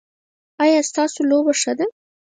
ایا ستاسو لوبه ښه ده؟